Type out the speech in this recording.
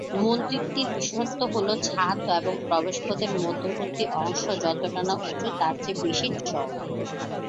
মন্দিরটির বিশেষত্ব হল ছাদ ও প্রবেশপথের মধ্যবর্তী অংশ যতটা না উঁচু তার থেকে বেশি চওড়া।